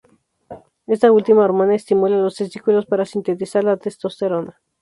Esta última hormona estimula los testículos para sintetizar la testosterona.